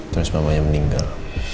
terus mamanya meninggal